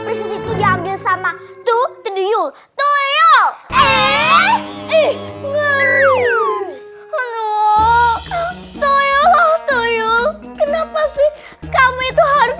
disitu diambil sama tuh teriuk toyo eh ih ngeluh roh toyo lo toyo kenapa sih kamu itu harus